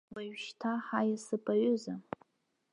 Уажәшьҭа ҳаиасып аҩыза.